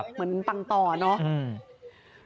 เหมือนปังต่อเนอะ